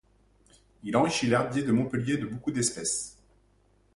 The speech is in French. Il enrichit l’herbier de Montpellier de beaucoup d’espèces.